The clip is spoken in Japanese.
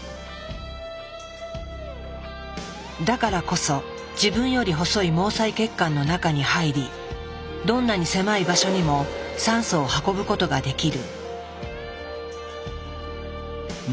だからこそ自分より細い毛細血管の中に入りどんなに狭い場所にも酸素を運ぶことができる。